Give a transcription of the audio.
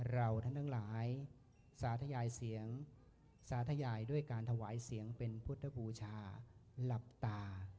เราทั้งหลายสาธยายเสียงสาธยายด้วยการถวายเสียงเป็นพุทธบูชาหลับตา